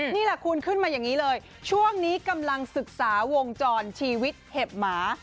นี่แหละคุณขึ้นมาอย่างนี้เลยช่วงนี้กำลังศึกษาวงจรชีวิตเห็บหมา